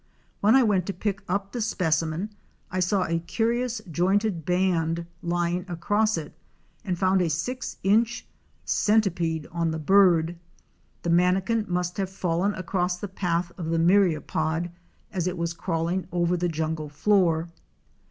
When I went to pick up the specimen I saw a curious jointed band lying across it and found a six inch centipede on the bird. The Manakin must have fallen across the path of the Myriapod as it was crawling over the jungle floor.